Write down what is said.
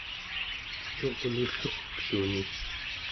curlulluggluni